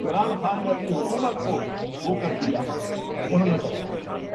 تو اس کی نشان دہی کرے اگر کوئی بات قابل گرفت ہے۔